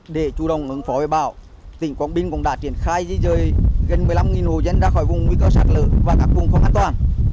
để chủ động ứng phó với bão tỉnh quảng bình cũng đã triển khai di dời gần một mươi năm hồ dân ra khỏi vùng nguy cơ sạt lở và các vùng không an toàn